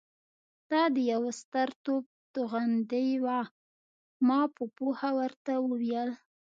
دا د یوه ستر توپ توغندۍ وه. ما په پوهه ورته وویل.